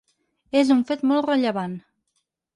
És un fet molt rellevant.